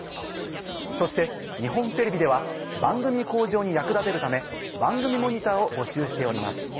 そして日本テレビでは番組向上に役立てるため番組モニターを募集しております。